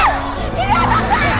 woy jangan lari